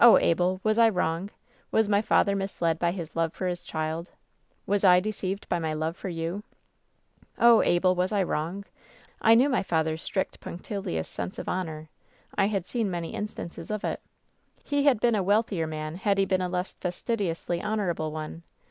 Oh, Abel I was I wrong? Was my father misled by his love for his child ? Was I deceived by my love for you ? Oh, y Abel ! was I wrong ? I knew my father's strict, punc tilious sense of honor. I had seen many instances of it. He had been a wealthier man had he been a less fastidi ously honorable one.